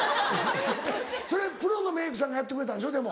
それプロのメイクさんがやってくれたんでしょでも。